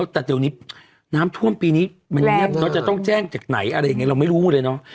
แต่เดี๋ยวนี้น้ำท่วมปีนี้มันเงียบเนอะจะต้องแจ้งจากไหนอะไรอย่างนี้เราไม่รู้เลยเนอะ